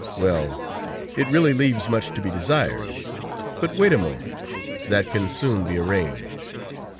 Well! It really leaves much to be desired. But wait a moment; that can soon be arranged."